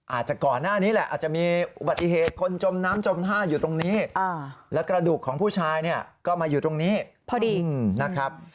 อาจจะก่อนหน้านี้แหละอาจจะมีอุบัติเหตุคนจมน้ำจมท่าอยู่ตรงนี้แล้วกระดูกของผู้ชายเนี่ยก็มาอยู่ตรงนี้พอดีนะครับ